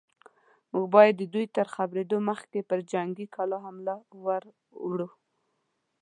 موږ بايد د دوی تر خبرېدو مخکې پر جنګي کلا حمله ور وړو.